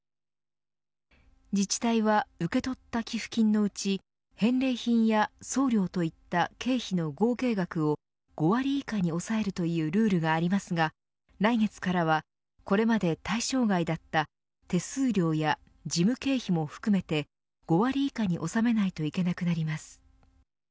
自治体は受け取った寄付金のうち返礼品や送料といった経費の合計額を５割以下に抑えるというルールがありますが来月からはこれまで対象外だった手数料や事務経費も含めて５割以下に収めないといけなくなります。